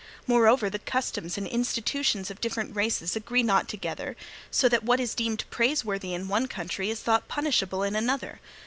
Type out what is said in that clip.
Moreover, the customs and institutions of different races agree not together, so that what is deemed praise worthy in one country is thought punishable in another.